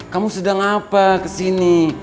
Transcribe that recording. kamu sedang apa kesini